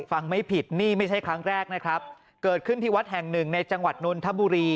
ไม่ผิดนี่ไม่ใช่ครั้งแรกนะครับเกิดขึ้นที่วัดแห่งหนึ่งในจังหวัดนนทบุรี